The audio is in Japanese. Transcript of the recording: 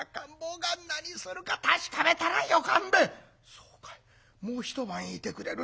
「そうかいもう一晩いてくれる。